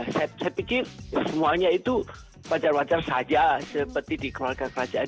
saya pikir semuanya itu wajar wajar saja seperti di keluarga kerajaan